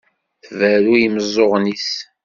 Tberru i yimeẓẓuɣen-is.